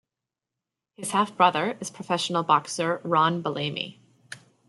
His half-brother is professional boxer Ron Bellamy.